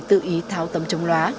tự ý tháo tấm trồng lóa